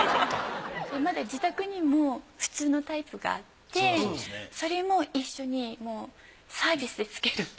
まだ自宅にも普通のタイプがあってそれも一緒にサービスでつけるって。